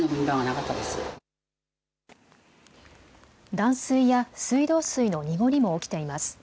断水や水道水の濁りも起きています。